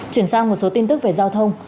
chuyển sang một số tin tức về giao thông